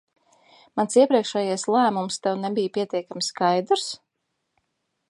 Mans iepriekšējais lēmums tev nebija pietiekami skaidrs?